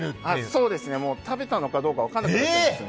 そうですね、食べたのかどうか分からなくなります。